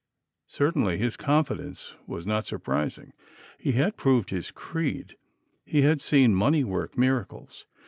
Certainly his confidence was not surprising. He had proved his creed. He had seen money work miracles.